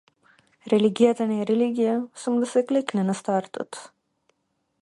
Религијата не е религија - само да се клекне на стартот.